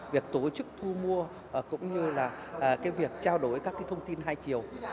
việc tổ chức thu mua cũng như là việc trao đổi các thông tin hai chiều